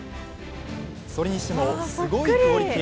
それにしてもすごいクオリティ。